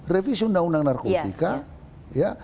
revision undang undang narkotika